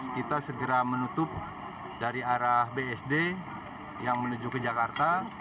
kita segera menutup dari arah bsd yang menuju ke jakarta